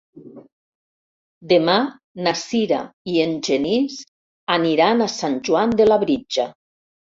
Demà na Sira i en Genís aniran a Sant Joan de Labritja.